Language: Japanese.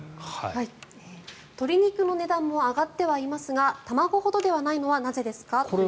鶏肉の値段も上がってはいますが卵ほどではないのはなぜですか？という質問です。